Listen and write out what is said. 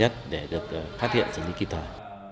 thể sát bẩn